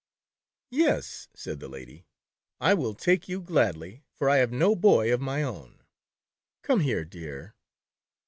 "Yes," said the lady, "I will take you gladly, for I have no boy of my own. Come here, dear."